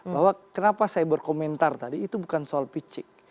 bahwa kenapa saya berkomentar tadi itu bukan soal picik